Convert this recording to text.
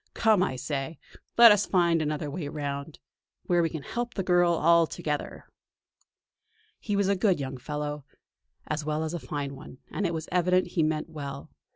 Come, I say, let us find another way round; where we can help the girl all together!" He was a good young fellow, as well as a fine one, and it was evident he meant well.